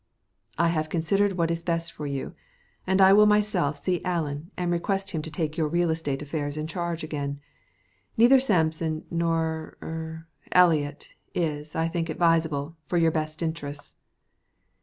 "I have considered what is best for you, and I will myself see Allen and request him to take your real estate affairs in charge again. Neither Sampson nor er Eliot is, I think, advisable for your best interests."